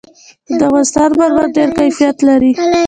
د افغانستان مرمر ډېر کیفیت لري.